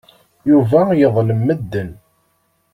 Yuba yeḍlem medden.